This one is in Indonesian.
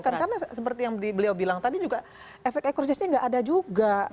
karena seperti yang beliau bilang tadi juga efek ekor jasnya nggak ada juga